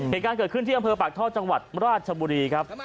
เหตุการณ์เกิดขึ้นที่อำเภอปากท่อจังหวัดราชบุรีครับ